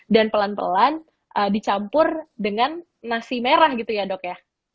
pelan pelan dicampur dengan nasi merah gitu ya dok ya